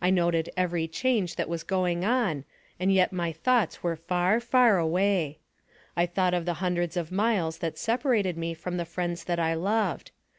I noted every change that was going on, and yet my thoughts were far, far away. I thought of the hundreds of miles that separated me from the friends that I loved.